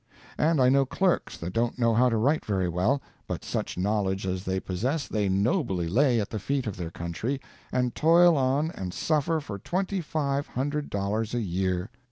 And I know clerks that don't know how to write very well, but such knowledge as they possess they nobly lay at the feet of their country, and toil on and suffer for twenty five hundred dollars a year.